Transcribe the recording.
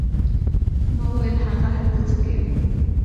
ما وویل: هغه هلته څه کوي؟